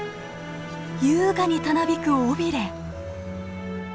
優雅にたなびく尾ビレ。